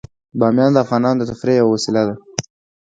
بامیان د افغانانو د تفریح یوه وسیله ده.